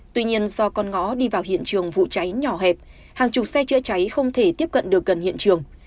tuy nhiên do con ngõ đi vào hiện trường vụ cháy nhỏ hẹp hàng chục xe chữa cháy không thể tiếp cận được gần hiện trường